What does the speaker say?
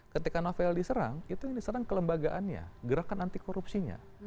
ketika novel diserang itu yang diserang kelembagaannya gerakan anti korupsinya